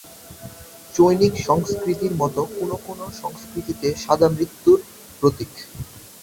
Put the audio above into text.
চৈনিক সংস্কৃতির মতো কোনো কোনো সংস্কৃতিতে সাদা মৃত্যুর প্রতীক।